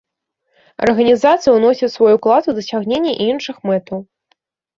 Арганізацыя ўносіць свой уклад у дасягненне і іншых мэтаў.